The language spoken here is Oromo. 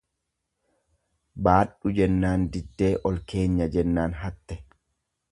Baadhu jennaan diddee ol keenyaan hatte.